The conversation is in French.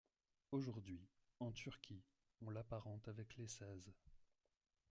Aujourd'hui, en Turquie, on l'apparente avec les saz.